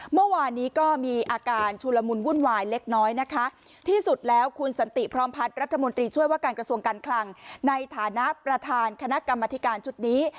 เมื่อวานนี้ก็มีอาการชุลมุนวุ่นวายเล็กน้อยนะคะที่สุดแล้วคุณสันติพร้อมพัฒน์รัฐมนตรีช่วยว่าการกระทรวงการคลังในฐานะประธานคณะกรรมธิการชุดนี้